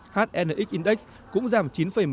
hnx index cũng giảm chín một mươi năm